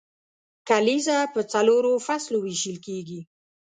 کلیزه په څلورو فصلو ویشل کیږي.